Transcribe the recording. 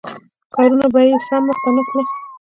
کارونه به یې سم مخته نه تلل.